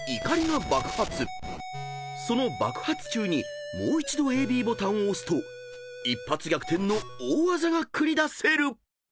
［その爆発中にもう一度ＡＢボタンを押すと一発逆転の大技が繰り出せる］